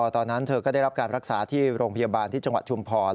ตอนนั้นเธอก็ได้รับการรักษาที่โรงพยาบาลที่จังหวัดชุมพร